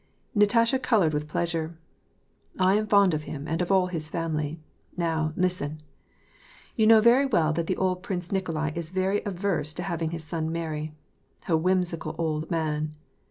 Natasha colored with pleasure. " I am fond of him and of all his family. Now, listen ! You know very well that the old Prince Nikolai is very averse to having his son marry. A whimsical old man